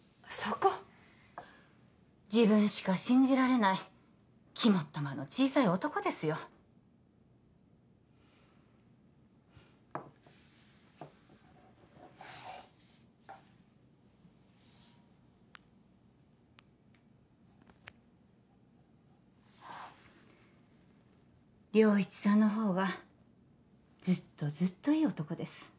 そこ自分しか信じられない肝っ玉の小さい男ですよ良一さんのほうがずっとずっといい男です